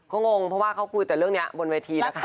ก็งงเพราะว่าเขาคุยแต่เรื่องนี้บนเวทีนะคะ